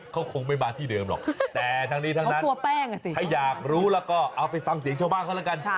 เขาคงไม่มาที่เดิมหรอกแต่ทั้งนี้ทั้งนั้นถ้าอยากรู้แล้วก็เอาไปฟังเสียงชาวบ้านเขาแล้วกัน